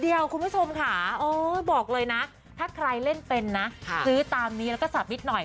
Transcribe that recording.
คุณผู้ชมค่ะบอกเลยนะถ้าใครเล่นเป็นนะซื้อตามนี้แล้วก็สับนิดหน่อย